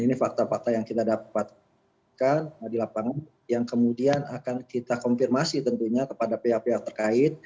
ini fakta fakta yang kita dapatkan di lapangan yang kemudian akan kita konfirmasi tentunya kepada pihak pihak terkait